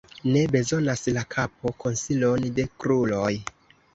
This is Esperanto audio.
Ne bezonas la kapo konsilon de kruroj.